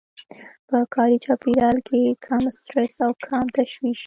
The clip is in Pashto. په کاري چاپېريال کې کم سټرس او کم تشويش.